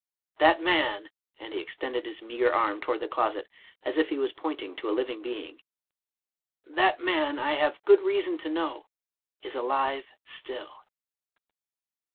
That man," and he extended his meager arm toward the closet, as if he was pointing to a living being ;" that man, I have good reason to know, is alive still."